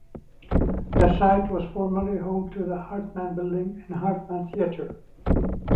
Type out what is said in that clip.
The site was formerly home to the Hartman Building and Hartman Theatre.